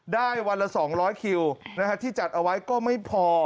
วันละ๒๐๐คิวที่จัดเอาไว้ก็ไม่พอ